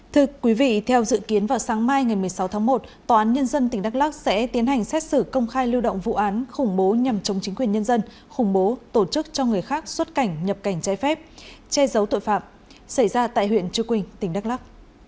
thưa quý vị theo dự kiến vào sáng mai ngày một mươi sáu tháng một tòa án nhân dân tỉnh đắk lắc sẽ tiến hành xét xử công khai lưu động vụ án khủng bố nhằm chống chính quyền nhân dân khủng bố tổ chức cho người khác xuất cảnh nhập cảnh trái phép che giấu tội phạm xảy ra tại huyện trư quynh tỉnh đắk lắc